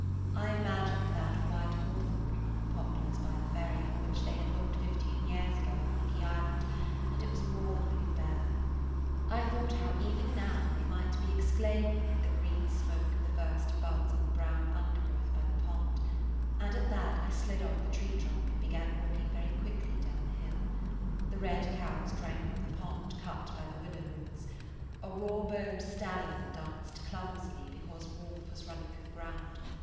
I imagined that white hawthorn among the poplars by the ferry on which they had looked fifteen years ago at Monkey Island, and it was more than I could bear. I [Page 125] thought how even now they might be exclaiming at the green smoke of the first buds on the brown undergrowth by the pond, and at that I slid off the tree trunk and began walking very quickly down the hill. The red cows drank from the pond cupped by the willow roots; a raw boned stallion danced clumsily because warmth was running through the ground.